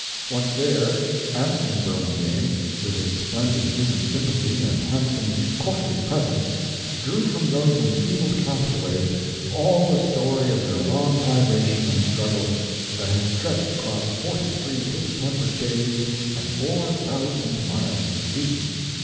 Once there, Anson Burlingame, with his splendid human sympathy and handsome, courtly presence, drew from those enfeebled castaways all the story of their long privation and struggle, that had stretched across forty three distempered days and four thousand miles of sea.